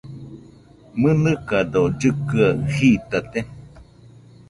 ¿Mɨnɨkado llɨkɨaɨ jitate?